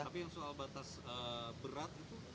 tapi yang soal batas berat itu